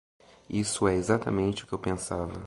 Isso é exatamente o que eu pensava.